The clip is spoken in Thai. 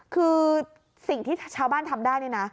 คือสิ่งที่ชาวบ้านทำได้นี่นะ